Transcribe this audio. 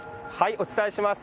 お伝えします。